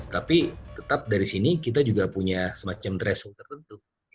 tapi tetap dari sini kita juga punya semacam threshold tertentu